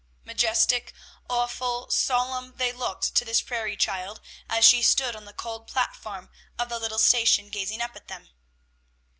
Majestic, awful, solemn they looked to this prairie child, as she stood on the cold platform of the little station gazing up at them.